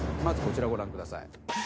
まずこちらご覧ください。